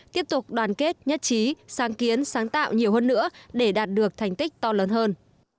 tiếp tục đoàn kết nhất trí sáng kiến sáng tạo nhiều hơn nữa để đạt được thành tích to lớn hơn